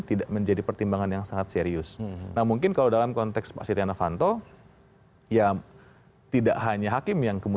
tidak menjadi pertimbangan yang sangat serius mungkin kalau dalam konteks pasti tiana fanto yang